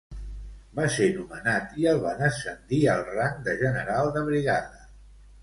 Va ser nomenat i el van ascendir al rang de general de brigada.